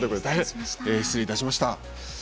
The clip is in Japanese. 大変失礼いたしました。